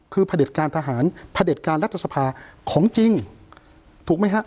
คือพระเด็จการทหารพระเด็จการรัฐสภาของจริงถูกไหมฮะ